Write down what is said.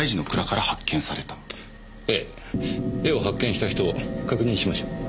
絵を発見した人を確認しましょう。